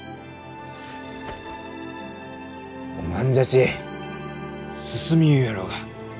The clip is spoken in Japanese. おまんじゃち進みゆうろうが。